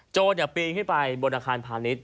โจรเนี่ยปีนให้ไปบนอาคารพาณิชย์